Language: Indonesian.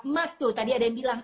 mas tuh tadi ada yang bilang